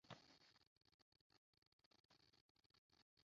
no guteza imbere gahunda z'umwimerere